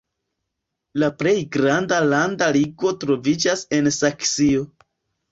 La plej granda landa ligo troviĝas en Saksio.